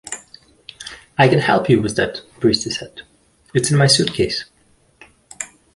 "I can help you with that," Prieste said, "It's in my suitcase.